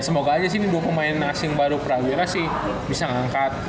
semoga aja sih ini dua pemain asing baru prawira sih bisa ngangkat